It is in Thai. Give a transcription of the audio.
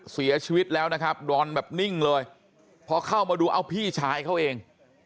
เสียชีวิตแล้วนะครับดอนแบบนิ่งเลยพอเข้ามาดูเอาพี่ชายเขาเอง